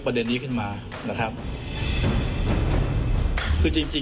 สนุนโดยน้ำดื่มสิง